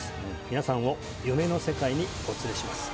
皆さんを夢の世界にお連れします